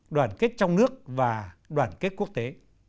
đoàn kết trong nước và đoàn kết quốc tế